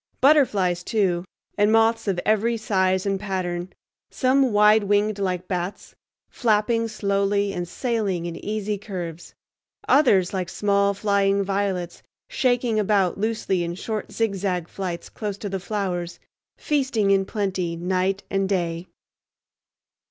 Butterflies, too, and moths of every size and pattern; some wide winged like bats, flapping slowly and sailing in easy curves; others like small flying violets shaking about loosely in short zigzag flights close to the flowers, feasting in plenty night and day.